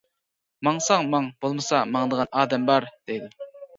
ماڭساڭ ماڭ، بولمىسا ماڭىدىغان ئادەم بار، دەيدۇ.